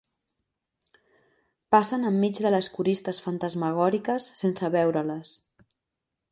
Passen enmig de les coristes fantasmagòriques sense veure-les.